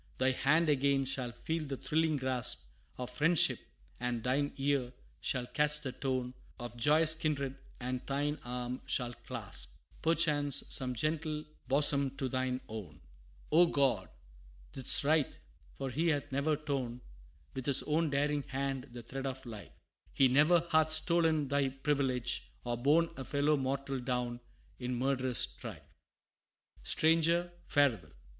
Thy hand again shall feel the thrilling grasp Of friendship and thine ear shall catch the tone Of joyous kindred; and thine arm shall clasp, Perchance, some gentle bosom to thine own. Oh God! 'tis right for he hath never torn, With his own daring hand the thread of life He ne'er hath stolen thy privilege, or borne A fellow mortal down in murderous strife! XVIII. "Stranger, farewell!